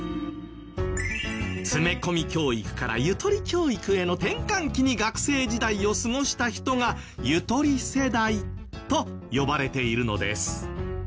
詰め込み教育からゆとり教育への転換期に学生時代を過ごした人が「ゆとり世代」と呼ばれているのです。